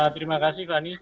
terima kasih fani